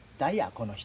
この人。